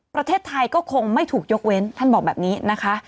ประเทศไทยก็คงไม่ถูกยกเว้นท่านบอกแบบนี้นะคะ